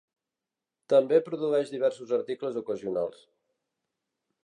També produeix diversos articles ocasionals.